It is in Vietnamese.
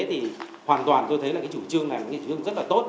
thì hoàn toàn tôi thấy là cái chủ trương này là cái nghị trương rất là tốt